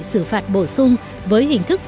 xử phạt bổ sung với hình thức